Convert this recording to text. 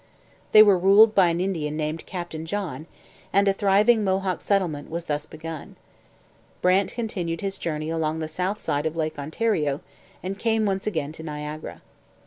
They were ruled by an Indian named Captain John, and a thriving Mohawk settlement was thus begun. Brant continued his journey along the south side of Lake Ontario, and came once again to Niagara.